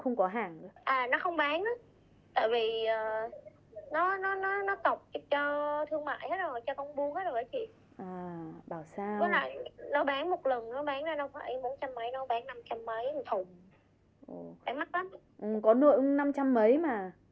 đúng rồi bán mắc lắm